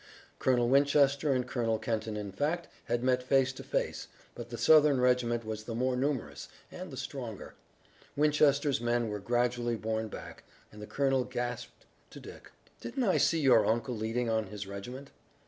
Colonel Winchester and Colonel Kenton, in fact, had met face to face, but the Southern regiment was the more numerous and the stronger. Winchester's men were gradually borne back and the colonel gasped to Dick: "Didn't I see your uncle leading on his regiment?"